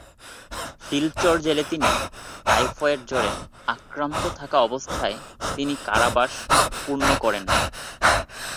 শিলচর জেলে তিনি টাইফয়েড জ্বরে আক্রান্ত থাকা অবস্থায় তিনি কারাবাস পূর্ণ করেন।